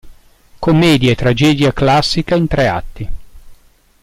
Commedia e tragedia classica in tre atti".